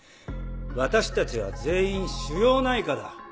私たちは全員腫瘍内科だ。